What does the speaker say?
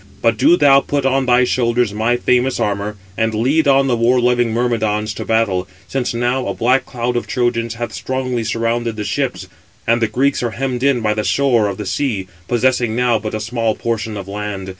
But do thou put on thy shoulders my famous armour, and lead on the war loving Myrmidons to battle; since now a black cloud of Trojans hath strongly surrounded the ships, and the Greeks are hemmed in by the shore of the sea, possessing now but a small portion of land.